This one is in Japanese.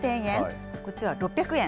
こっちは６００円。